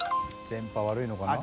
電波悪いのかな？